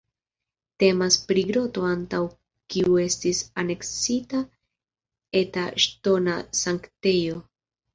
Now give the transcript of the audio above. Temas pri groto antaŭ kiu estis aneksita eta ŝtona sanktejo.